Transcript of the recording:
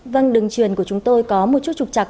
vâng đường truyền của chúng tôi có một chút trục chặt